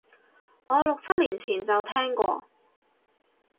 我六七年前就聽過